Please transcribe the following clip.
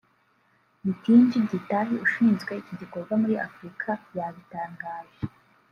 Githinji Gitahi ushinzwe iki gikorwa muri Afurika yabitangaje